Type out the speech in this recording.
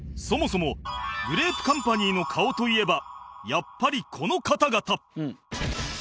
そもそもグレープカンパニーの顔といえばやっぱりこの方々